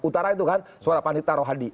utara itu kan suara panita rohadi